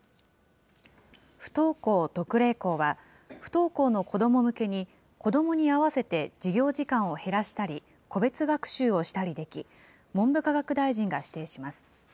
不登校特例校は、不登校の子ども向けに子どもに合わせて授業時間を減らしたり、個別学習をしたりでき、文部科学大臣が指定します。